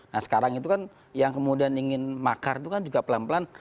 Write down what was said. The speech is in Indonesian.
nah sekarang itu kan yang kemudian ingin makar itu kan juga pelan pelan